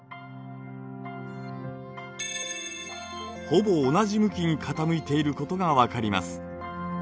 ほぼ同じ向きに傾いていることが分かります。